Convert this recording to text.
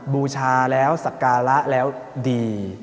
บูชาแล้วสักการะแล้วดี